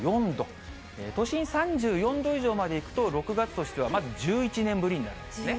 都心３４度以上までいくと、６月としてはまず１１年ぶりになるんですね。